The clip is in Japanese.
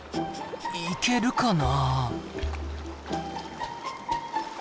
行けるかな？